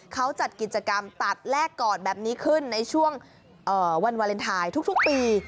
เขาจัดกิจกรรมตัดแลกกอดแบบนี้ขึ้นในช่วงวันวาเลนไทยทุกปี